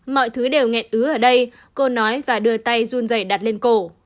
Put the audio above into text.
mọi thứ đều nghẹn ứ ở đây cô nói và đưa tay run dày đặt lên cổ